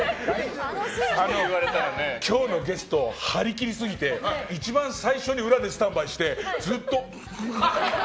今日のゲスト、張り切りすぎて一番最初に裏でスタンバイしてずっと、こう。